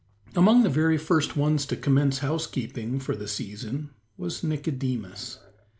Among the very first ones to commence housekeeping for the season was Nicodemus.